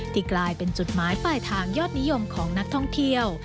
กลายเป็นจุดหมายปลายทางยอดนิยมของนักท่องเที่ยว